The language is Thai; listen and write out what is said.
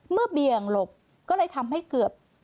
เบี่ยงหลบก็เลยทำให้เกือบ